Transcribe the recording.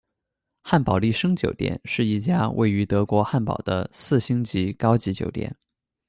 汉堡丽笙酒店是一家位于德国汉堡的四星级高级酒店。